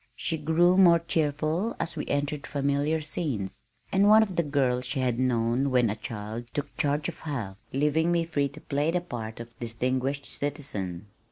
She grew more cheerful as we entered familiar scenes, and one of the girls she had known when a child took charge of her, leaving me free to play the part of distinguished citizen.